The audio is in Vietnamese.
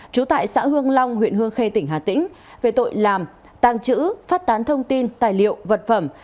trú tại xã hương long huyện hương khê tỉnh hà tĩnh về tội làm tàng trữ phát tán thông tin tài liệu vật phẩm